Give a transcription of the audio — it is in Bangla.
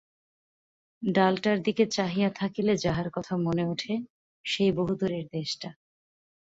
ডালটার দিকে চাহিয়া থাকিলে যাহার কথা মনে উঠে-সেই বহুদূরের দেশটা।